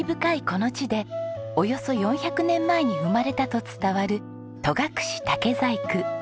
この地でおよそ４００年前に生まれたと伝わる戸隠竹細工。